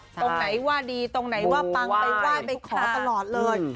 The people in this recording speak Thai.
ตรงไหนว่าดีตรงไหนว่าปังไปไหว้ไปขอตลอดเลย